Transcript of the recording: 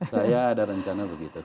saya ada rencana begitu